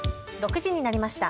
６時になりました。